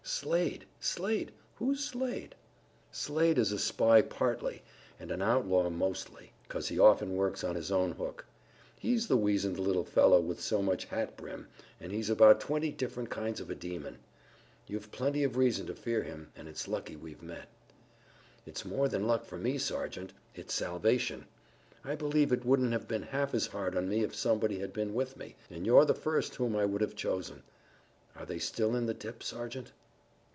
"Slade! Slade! Who's Slade?" "Slade is a spy partly, and an outlaw mostly, 'cause he often works on his own hook. He's the weazened little fellow with so much hat brim, and he's about twenty different kinds of a demon. You've plenty of reason to fear him, and it's lucky we've met." "It's more than luck for me, Sergeant. It's salvation. I believe it wouldn't have been half as hard on me if somebody had been with me, and you're the first whom I would have chosen. Are they still in the dip, Sergeant?"